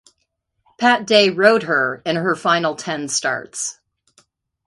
Pat Day rode her in her final ten starts.